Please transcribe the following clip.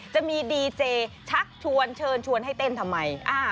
จะมีดีเจชักชวนเชิญชวนให้เต้นทำไม